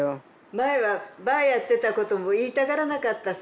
前はバーやってたことも言いたがらなかったさ。